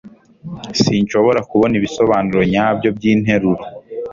Sinshobora kubona ibisobanuro nyabyo byinteruro.